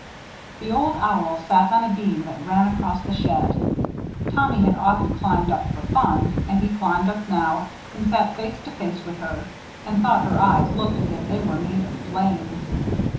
The Old Owl sat on a beam that ran across the shed. Tommy had often climbed up for fun; and he climbed up now, and sat face to face with her, and thought her eyes looked as if they were made of flame.